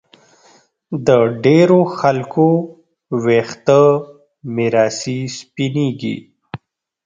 د ډېرو خلکو ویښته میراثي سپینېږي